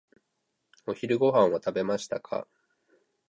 お昼ご飯を食べましたか？